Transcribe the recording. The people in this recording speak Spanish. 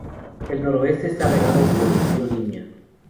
El noroeste está regado por el río Limia.